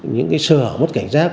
những cái sơ hở mất cảnh giác